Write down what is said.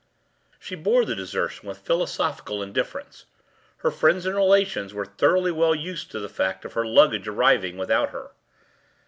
She bore the desertion with philosophical indifference; her friends and relations were thoroughly well used to the fact of her luggage arriving without her.